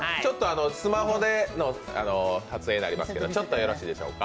スマホでの撮影になりますけど、ちょっとよろしいでしょうか。